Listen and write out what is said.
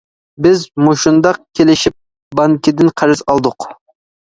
بىز مۇشۇنداق كېلىشىپ بانكىدىن قەرز ئالدۇق.